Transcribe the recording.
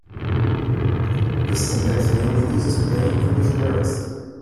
The syntax mainly uses plain English words.